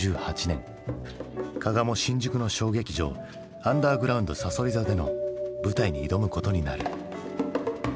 加賀も新宿の小劇場「アンダーグラウンド蠍座」での舞台に挑むことになる。